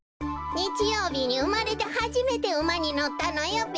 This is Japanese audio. にちようびにうまれてはじめてうまにのったのよべ。